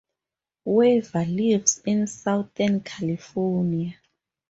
Weaver lives in Southern California.